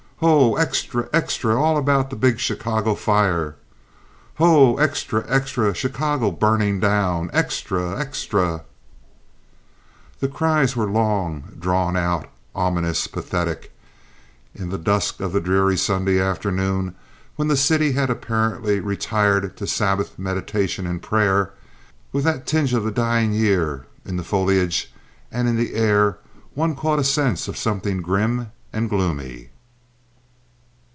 "Ho! Extra! Extra! All about the big Chicago fire!" "Ho! Extra! Extra! Chicago burning down! Extra! Extra!" The cries were long drawn out, ominous, pathetic. In the dusk of the dreary Sunday afternoon, when the city had apparently retired to Sabbath meditation and prayer, with that tinge of the dying year in the foliage and in the air, one caught a sense of something grim and gloomy.